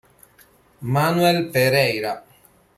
Manuel Pereira